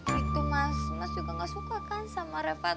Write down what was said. gitu mas mas juga gak suka kan sama reva